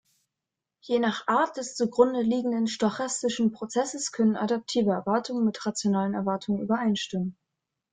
Je nach Art des zugrundeliegenden stochastischen Prozesses können adaptive Erwartungen mit rationalen Erwartungen übereinstimmen.